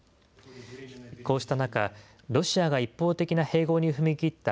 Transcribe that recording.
こうした中、ロシアが一方的な併合に踏み切った